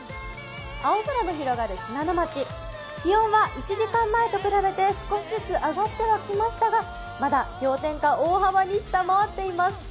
青空の広がる信濃町、気温は１時間前と比べて少しずつ上がってはきましたがまだ氷点下を大幅に下回っています。